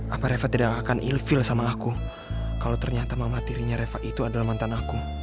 apa reva tidak akan elvil sama aku kalau ternyata mama tirinya reva itu adalah mantan aku